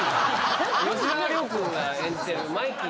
吉沢亮君が演じてるマイキー。